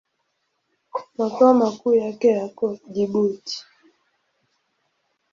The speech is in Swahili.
Makao makuu yake yako Jibuti.